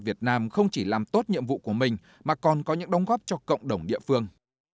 việt nam không chỉ làm tốt nhiệm vụ của mình mà còn có những đóng góp cho cộng đồng địa phương